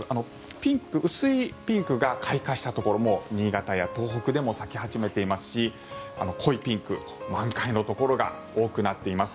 ピンク、薄いピンクが開花したところもう新潟や東北でも咲き始めていますし濃いピンク、満開のところが多くなっています。